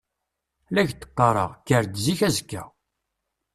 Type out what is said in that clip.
La ak-d-qqareɣ, kker-d zik azekka.